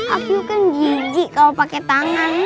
aku kan jijik kalau pakai tangan